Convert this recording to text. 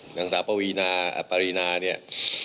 หนังสาวป๋าวีนาอัตปรีนาร์เนี่ย